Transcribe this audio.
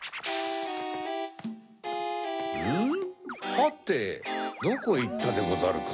はてどこへいったでござるか？